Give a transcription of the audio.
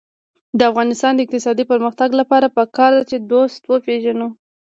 د افغانستان د اقتصادي پرمختګ لپاره پکار ده چې دوست وپېژنو.